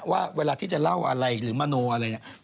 ว่าเวลาที่จะเล่าอะไรหรือมะโนวอะไรอย่างนี้